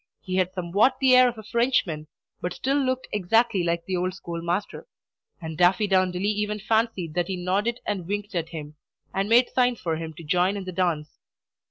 He had somewhat the air of a Frenchman, but still looked exactly like the old schoolmaster; and Daffydowndilly even fancied that he nodded and winked at him, and made signs for him to join in the dance.